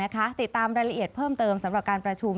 ติดตามรายละเอียดเพิ่มเติมสำหรับการประชุม